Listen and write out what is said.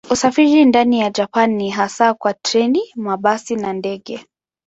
Usafiri ndani ya Japani ni hasa kwa treni, mabasi na ndege.